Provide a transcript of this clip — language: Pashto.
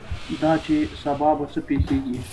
دا چې سبا به څه پېښېږي.